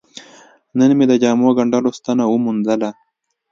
نن مې د جامو ګنډلو ستنه وموندله.